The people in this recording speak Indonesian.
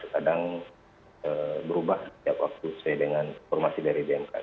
kadang berubah setiap waktu sesuai dengan informasi dari bmkg